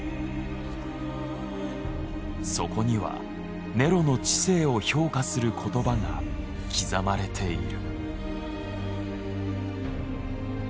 そこにはネロの治世を評価する言葉が刻まれている。